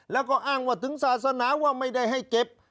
แล้วก็อ้างว่าถึงศาสนาว่าไม่ได้ให้เก็บ